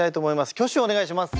挙手をお願いします。